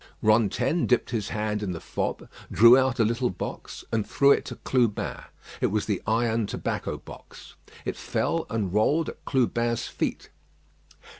Rantaine dipped his hand in the fob, drew out a little box, and threw it to Clubin. It was the iron tobacco box. It fell and rolled at Clubin's feet.